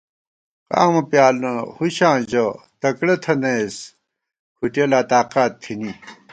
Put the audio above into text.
قامہ پیانہ ہُشاں ژَہ تکڑہ تھنَئیس کھُٹِیَہ لا تاقات تھنی